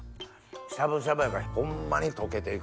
しゃぶしゃぶやからホンマに溶けて行く。